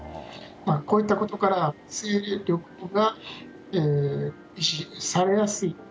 こういったことから勢力が維持されやすい。